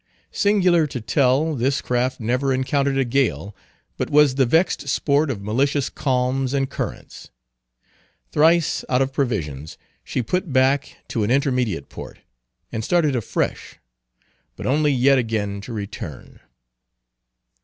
Singular to tell, this craft never encountered a gale, but was the vexed sport of malicious calms and currents. Thrice, out of provisions, she put back to an intermediate port, and started afresh, but only yet again to return.